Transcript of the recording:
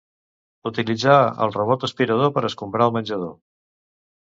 Utilitzar el robot aspirador per escombrar el menjador.